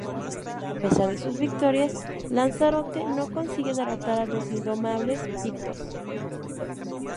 A pesar de sus victorias, Lanzarote no consigue derrotar a los indomables pictos.